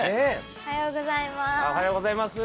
おはようございます。